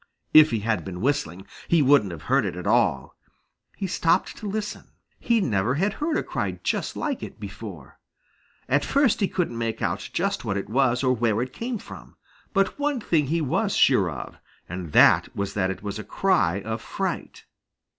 If he had been whistling, he wouldn't have heard it at all. He stopped to listen. He never had heard a cry just like it before. At first he couldn't make out just what it was or where it came from. But one thing he was sure of, and that was that it was a cry of fright.